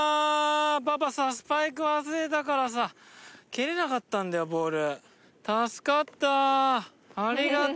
パパさスパイク忘れたからさ蹴れなかったんだよボール。